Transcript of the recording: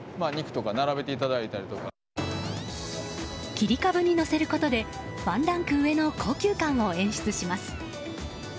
切り株に載せることでワンランク上の高級感を演出します。